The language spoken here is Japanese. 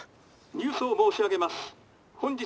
「ニュースを申し上げます。